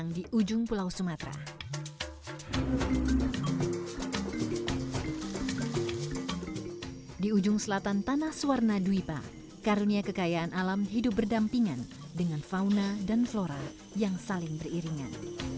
di ujung selatan tanah sewarna duiba karunia kekayaan alam hidup berdampingan dengan fauna dan flora yang saling beriringan